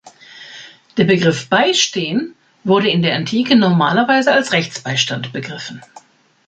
Der Begriff „beistehen“ wurde in der Antike normalerweise als Rechtsbeistand begriffen.